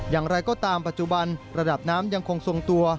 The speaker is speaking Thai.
อย่างไรก็ตามปัจจุบันระดับน้ำยังคงทรงตัว